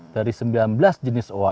dari sembilan belas jenis uang